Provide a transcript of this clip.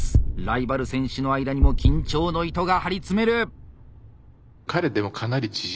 ライバル選手の間にも緊張の糸が張り詰める！